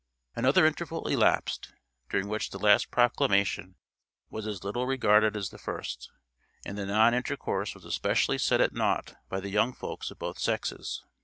Another interval elapsed, during which the last proclamation was as little regarded as the first, and the non intercourse was especially set at nought by the young folks of both sexes.